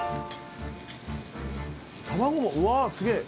卵もうわすげぇ。